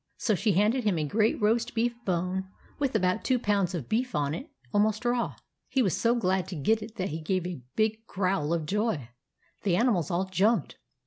So she handed him a great roast beef bone, with about two pounds of beef on it, almost raw. He was so glad to get it that he gave a big growl of joy. The animals all jumped.